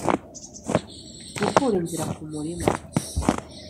gukura inzira ku murima